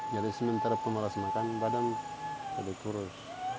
jadi sementara pemalas makan badan jadi kurus